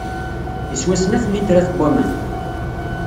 Yeswa snat n litrat n waman